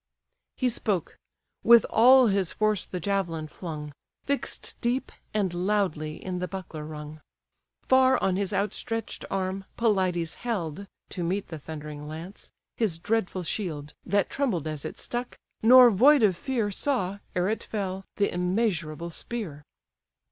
He spoke. With all his force the javelin flung, Fix'd deep, and loudly in the buckler rung. Far on his outstretch'd arm, Pelides held (To meet the thundering lance) his dreadful shield, That trembled as it stuck; nor void of fear Saw, ere it fell, the immeasurable spear.